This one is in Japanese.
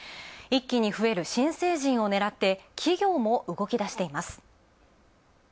一気に増える新成人を狙って企業も動き出しています。